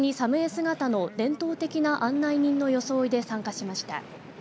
姿の伝統的な案内人の装いで参加しました。